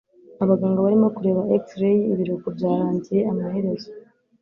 Abaganga barimo kureba x-ray. Ibiruhuko byarangiye amaherezo.